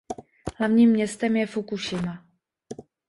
Hlavním městem je Fukušima.